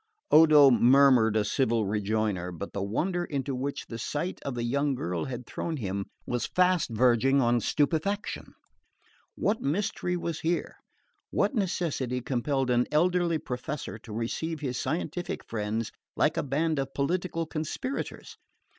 Odo murmured a civil rejoinder; but the wonder into which the sight of the young girl had thrown him was fast verging on stupefaction. What mystery was here? What necessity compelled an elderly professor to receive his scientific friends like a band of political conspirators?